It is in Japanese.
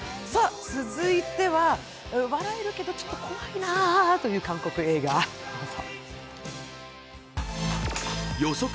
続いては笑えるけど、ちょっと怖いなという韓国映画どうぞ。